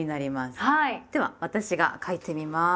では私が書いてみます。